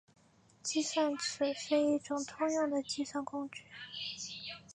计算尺是一种通用的计算工具。